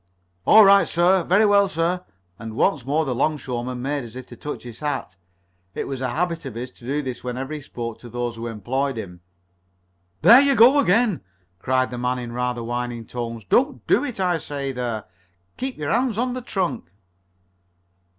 "All right, sir. Very well, sir," and once more the 'longshoreman made as if to touch his hat. It was a habit of his to do this whenever spoken to by those who employed him. "There you go again!" cried the man in rather whining tones. "Don't do it, I say! There! Keep your hands on the trunk!"